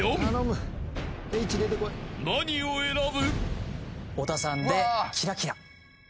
［何を選ぶ？］